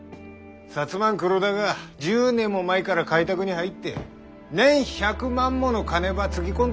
摩ん黒田が１０年も前から開拓に入って年１００万もの金ばつぎ込ん